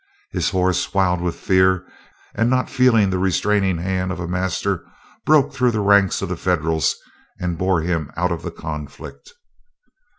His horse, wild with fear and not feeling the restraining hand of a master, broke through the ranks of the Federals, and bore him out of the conflict.